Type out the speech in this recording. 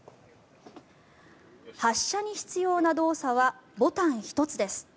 発車に必要な操作はボタン１つです。